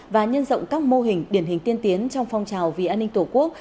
và nhân rộng các mô hình điển hình tiên tiến trong phong trào vì an ninh tổ quốc